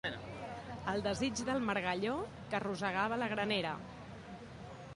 El desig del margalló, que rosegava la granera.